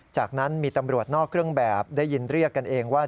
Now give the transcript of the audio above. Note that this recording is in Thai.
จากนั้นมีตำรวจนอกเครื่องแบบได้ยินเรียกกันเองว่า